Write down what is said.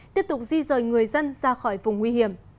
tiếp tục di rời người dân ra khỏi vùng nguy hiểm